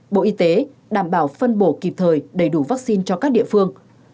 bộ y tế đảm bảo phân bổ kịp thời đầy đủ vaccine cho các địa phương